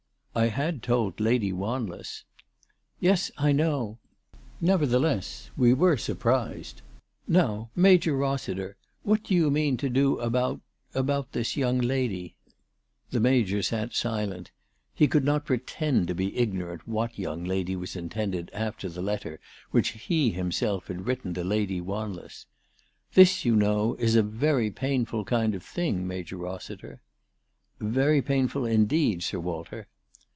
" I had told Lady Waniess." "Yes; I know. Nevertheless we were surprised. Now, Major Eossiter, what do you mean to do about, 396 ALICE DUGDALE. about, about this young lady ?" The Major sat silent. He could not pretend to be ignorant what young lady was intended after the letter which he had himself written to Lady Wanless. " This, you know, is a very painful kind of thing, Major Rossiter." "Very painful indeed, Sir Walter."